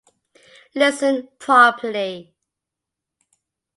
Listen properly.